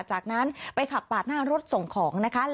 จากนั้นไปขับปาดหน้ารถส่งของนะคะ